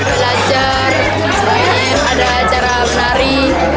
belajar ada acara menari